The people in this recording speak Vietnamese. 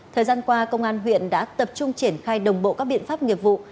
thời gian qua công an huyện đã tập trung triển khai đồng bộ các biện pháp nghiệp vụ